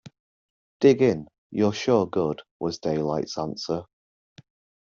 Dig in; you're sure good, was Daylight's answer.